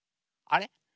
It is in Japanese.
あれ？